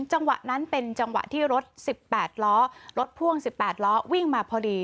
จังหวะนั้นเป็นจังหวะที่รถ๑๘ล้อรถพ่วง๑๘ล้อวิ่งมาพอดี